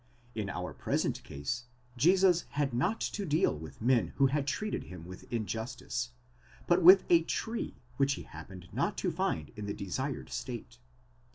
In our present case Jesus had not to deal with men who had treated him with injustice, but with a tree which he happened not to find in the desired state.